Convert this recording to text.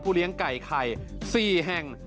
เลี้ยงไก่ไข่๔แห่ง